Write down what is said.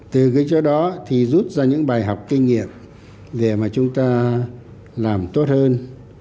từ cái chỗ đó thì rút ra những bài học kinh nghiệm để mà chúng ta làm tốt hơn